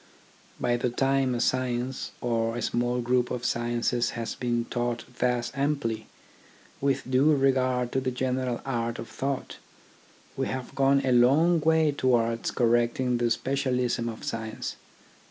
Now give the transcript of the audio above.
By the time a science, or a small group of sciences, has been taught thus amply, with due regard to the general art of thought, we have gone a long way towards correcting the specialism of science.